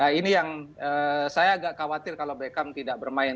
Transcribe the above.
nah ini yang saya agak khawatir kalau beckham tidak bermain